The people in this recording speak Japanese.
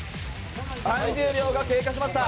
３０秒が経過しました。